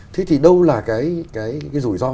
thế thì đâu là cái rủi ro